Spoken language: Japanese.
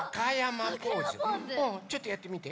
ちょっとやってみて？